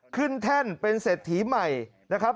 แท่นเป็นเศรษฐีใหม่นะครับ